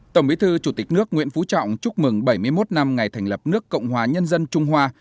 tổng bí thư chủ tịch nước nguyễn phú trọng chúc mừng bảy mươi một năm ngày thành lập nước cộng hòa nhân dân trung hoa